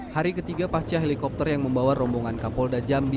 hari ketiga pasca helikopter yang membawa rombongan kapolda jambi